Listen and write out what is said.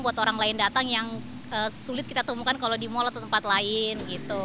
buat orang lain datang yang sulit kita temukan kalau di mal atau tempat lain gitu